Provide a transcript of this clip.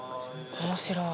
面白い。